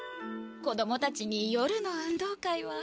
子どもたちに夜の運動会は。